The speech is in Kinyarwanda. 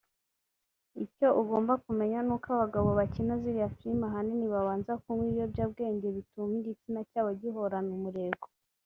Icyo ugomba kumenya ni uko abagabo bakina ziriya filimi ahanini babanza kunywa ibiyobyabwenge bituma igitsina cyabo gihorana umurego